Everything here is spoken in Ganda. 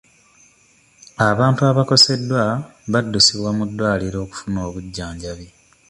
Abantu abakoseddwa baddusibwa mu ddwaliro okufuna obujjanjabi.